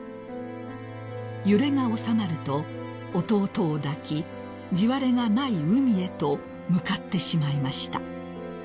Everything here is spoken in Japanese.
［揺れが収まると弟を抱き地割れがない海へと向かってしまいました］